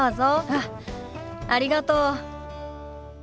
あっありがとう。